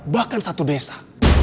bahkan satu desa